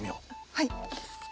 はい。